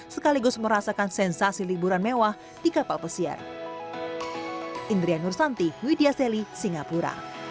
sekaligus merasakan sensasi liburan mewah di kapal pesiar